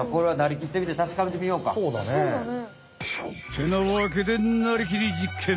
てなわけで「なりきり！実験！」。